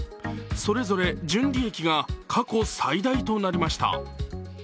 それぞれ純利益が過去最大となりました。